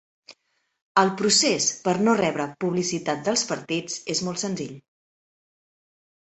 El procés per no rebre publicitat dels partits és molt senzill